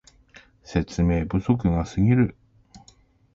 説明不足がすぎる